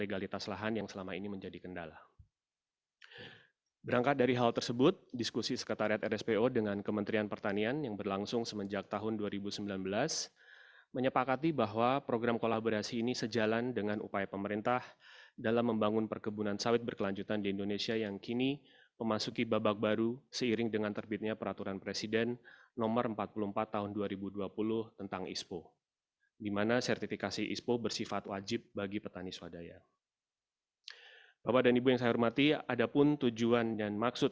wajib bagi petani swadaya bapak dan ibu yang saya hormati adapun tujuan dan maksud